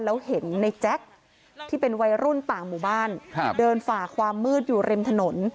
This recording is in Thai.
แล้วเห็นในแจ๊คที่เป็นวัยรุ่นต่างหมู่บ้านเดินฝ่าความมืดอยู่ริมถนน